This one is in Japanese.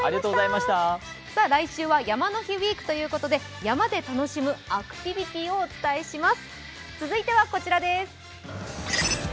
来週は山の日ウィークということで、山で楽しむアクティビティーをお伝えします。